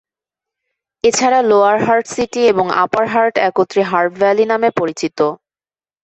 এছাড়া Lower Hutt City এবং Upper Hutt একত্রে হার্ট ভ্যালি নামে পরিচিত।